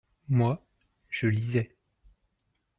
moi, je lisais.